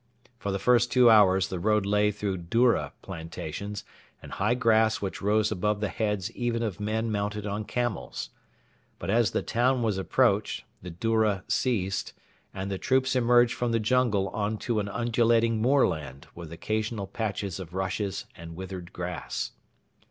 For the first two hours the road lay through doura plantations and high grass which rose above the heads even of men mounted on camels; but as the town was approached, the doura ceased, and the troops emerged from the jungle on to an undulating moorland with occasional patches of rushes and withered grass.